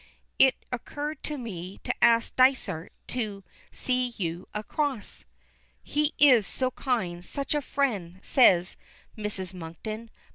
It occurred to me to ask Dysart to see you across." "He is so kind, such a friend," says Mrs. Monkton.